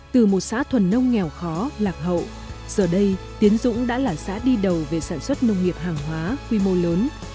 từ một xã thuần nông nghèo khó lạc hậu giờ đây tiến dũng đã là xã đi đầu về sản xuất nông nghiệp hàng hóa quy mô lớn